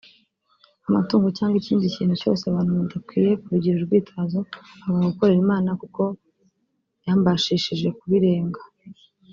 amatungo cyangwa ikindi kintu cyose abantu badakwiye kubigira urwitwazo bakanga gukorera Imana kuko yambashishije kubirenga